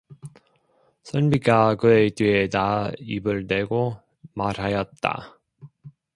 선비가 그의 귀에다 입을 대고 말하였다.